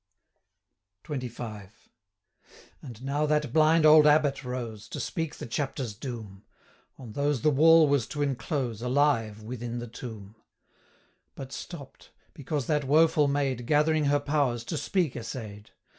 XXV. And now that blind old Abbot rose, 465 To speak the Chapter's doom, On those the wall was to enclose, Alive, within the tomb; But stopp'd, because that woful Maid, Gathering her powers, to speak essay'd.